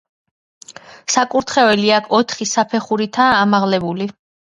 საკურთხეველი აქ ოთხი საფეხურითაა ამაღლებული.